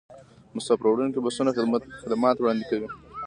مسافروړونکي بسونه خدمات وړاندې کوي